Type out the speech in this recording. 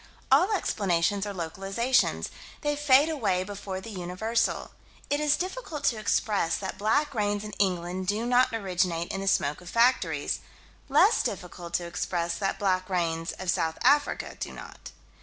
All explanations are localizations. They fade away before the universal. It is difficult to express that black rains in England do not originate in the smoke of factories less difficult to express that black rains of South Africa do not.